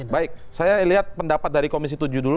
baik saya lihat pendapat dari komisi tujuh dulu